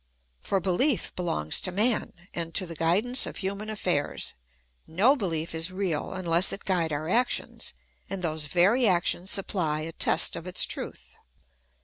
For behef belongs to man, and to the guidance of human afiairs : no behef is real unless it guide our actions, and those very actions supply a test of its truth.